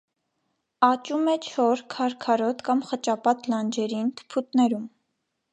Աճում է չոր, քարքարոտ կամ խճապատ լանջերին, թփուտներում։